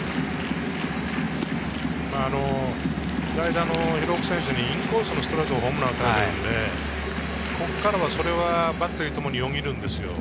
代打の廣岡選手にインコースのストレート、ホームランを打たれてるので、ここからはそれはバッテリーともによぎるんです。